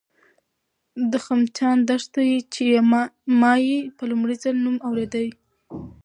د خمچان دښته، چې ما یې په لومړي ځل نوم اورېدی دی